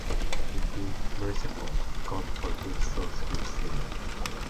In being merciful, God forgives those who sin.